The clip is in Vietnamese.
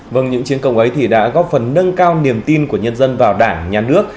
vâng những chiến công ấy thì đã góp phần nâng cao niềm tin của nhân dân vào đảng nhà nước